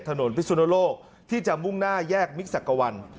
พิสุนโลกที่จะมุ่งหน้าแยกมิกสักกะวัน